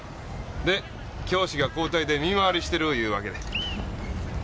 で教師が交代で見回りしてるいうわけで。